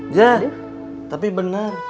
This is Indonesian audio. iya tapi benar